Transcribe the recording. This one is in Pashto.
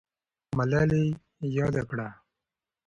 ملالۍ یاده کړه.